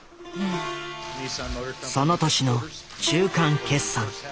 その年の中間決算。